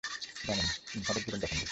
তাদের জীবন-যাপন দেখি।